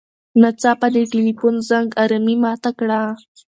ناڅاپه د تیلیفون زنګ ارامي ماته کړه.